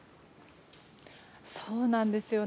そうなんですよね。